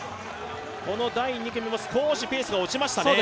この第２組も少しペースが落ちましたね。